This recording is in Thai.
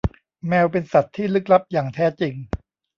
แมวเป็นสัตว์ที่ลึกลับอย่างแท้จริง